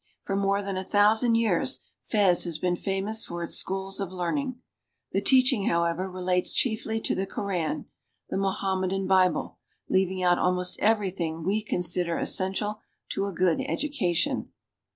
For more than a thousand years Fez has been famous for its schools of learning. The teaching, however, relates chiefly to the Koran, the Mohammedan Bible, leaving out almost everything we consider essential to a good education.